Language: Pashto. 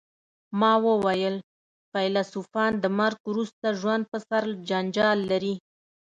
ما وویل فیلسوفان د مرګ وروسته ژوند په سر جنجال لري